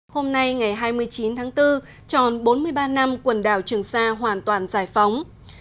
hôm nay ngày hai mươi chín tháng bốn tròn bốn mươi ba năm quần đảo trường sa hoàn toàn giải phóng